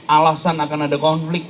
alasan akan ada konflik